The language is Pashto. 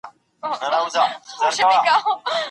که زده کوونکی ستړی وي نو تمرکز نسي کولای.